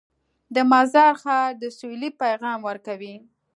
د مزار ښار د سولې پیغام ورکوي.